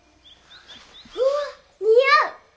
うわっ似合う！